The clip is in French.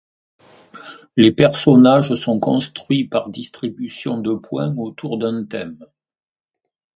Les personnages sont construits par distribution de points autour d'un thème.